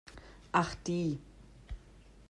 Ach die!